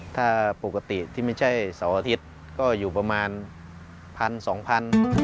ถ้าปกติที่ไม่ใช่เสาร์อาทิตย์ก็อยู่ประมาณ๑๐๐๐๒๐๐๐บาท